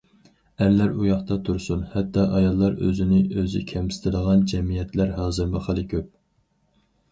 ئەرلەر ئۇ ياقتا تۇرسۇن، ھەتتا ئاياللار ئۆزىنى ئۆزى كەمسىتىدىغان جەمئىيەتلەر ھازىرمۇ خېلى كۆپ.